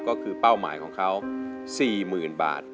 ก็คือเป้าหมายของเขา๔๐๐๐บาท